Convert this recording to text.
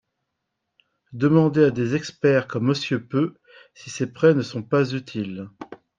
Demandez à des experts comme Monsieur Peu si ces prêts ne sont pas utiles